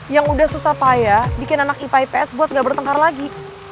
yang udah susah payah bikin anak ipa ips buat nggak bertengkar lagi